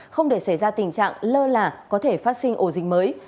không để xảy ra tình trạng lơ là có thể phát sinh ổ dịch mới